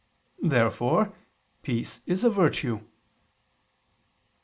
Therefore peace is a virtue.